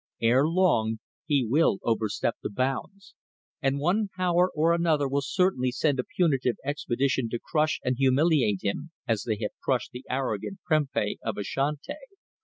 Ere long he will overstep the bounds, and one Power or another will certainly send a punitive expedition to crush and humiliate him, as they have crushed the arrogant Prempeh of Ashanti.